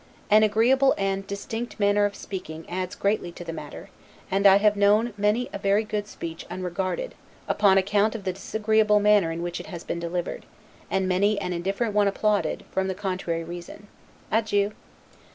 An agreeable and, distinct manner of speaking adds greatly to the matter; and I have known many a very good speech unregarded, upon account of the disagreeable manner in which it has been delivered, and many an indifferent one applauded, from the contrary reason. Adieu!